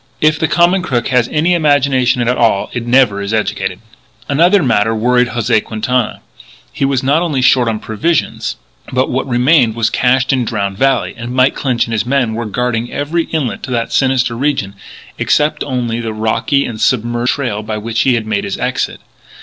If the common crook has any imagination at all it never is educated. Another matter worried José Quintana: he was not only short on provisions, but what remained was cached in Drowned Valley; and Mike Clinch and his men were guarding every outlet to that sinister region, excepting only the rocky and submerged trail by which he had made his exit.